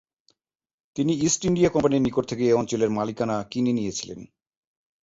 তিনি East India কোম্পানির নিকট থেকে এ অঞ্চলের মালিকানা কিনে নিয়েছিলেন।